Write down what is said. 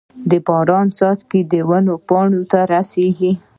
د باران څاڅکي د ونو پاڼو ته رسيږي.